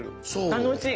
楽しい！